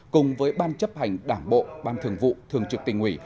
cùng với ban chấp hành đảng bộ ban thường vụ thường trực tỉnh ủy